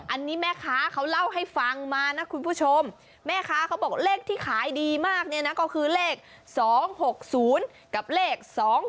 อันนี้แม่ค้าเขาเล่าให้ฟังมานะคุณผู้ชมแม่ค้าเขาบอกเลขที่ขายดีมากเนี่ยนะก็คือเลข๒๖๐กับเลข๒๒